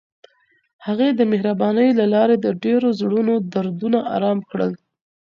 هغې د مهربانۍ له لارې د ډېرو زړونو دردونه ارام کړل.